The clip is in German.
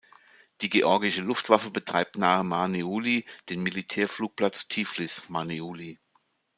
Die georgische Luftwaffe betreibt nahe Marneuli den Militärflugplatz "Tiflis Marneuli".